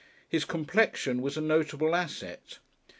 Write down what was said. His complexion was a notable asset.